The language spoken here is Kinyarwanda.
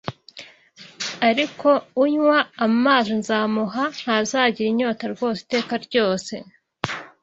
Ariko unywa amazi nzamuha, ntazagira inyota rwose iteka ryose